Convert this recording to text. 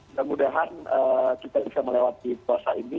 mudah mudahan kita bisa melewati puasa ini